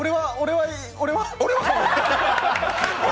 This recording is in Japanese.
俺は。